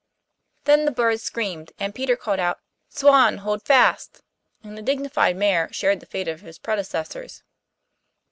Then the bird screamed, and Peter called out, 'Swan, hold fast,' and the dignified Mayor shared the fate of his predecessors.